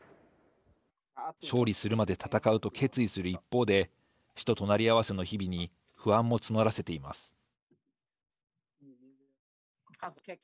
「勝利するまで戦う」と決意する一方で死と隣り合わせの日々に不安も募らせています。